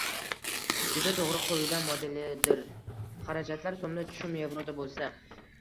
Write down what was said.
juda to‘g‘ri qurilgan modelidir: xarajatlar so‘mda, tushum yevroda bo‘lsa.